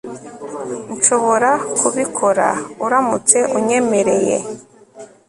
Nshobora kubikora uramutse unyemereye